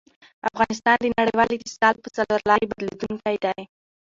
افغانستان د نړیوال اتصال په څلورلاري بدلېدونکی دی.